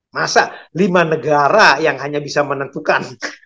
masa lima negara yang hanya bisa menentukan